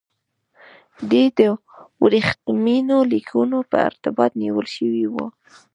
دی د ورېښمینو لیکونو په ارتباط نیول شوی و.